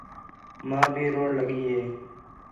ماں بھی روݨ لڳی ہِے